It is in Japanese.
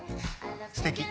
すてき。